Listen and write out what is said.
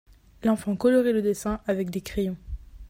L'enfant colorie le dessin avec des crayons.